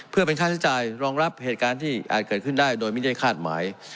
เพื่อเป็นค่าใช้จ่ายรองรับเหตุการณ์ที่อาจเกิดขึ้นได้โดยไม่ได้คาดหมาย